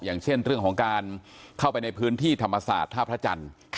อย่างเช่นเรื่องของการเข้าไปในพื้นที่ธรรมศาสตร์ท่าพระจันทร์